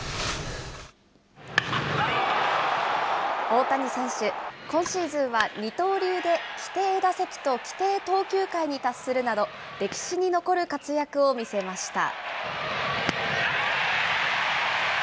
大谷選手、今シーズンは、二刀流で規定打席と規定投球回に達するなど、歴史に残る活躍を見せました。